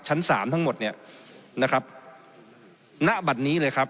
ชั้นสามทั้งหมดเนี่ยนะครับณบัตรนี้เลยครับ